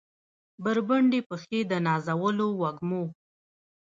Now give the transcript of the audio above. بربنډې پښې د نازولو وږمو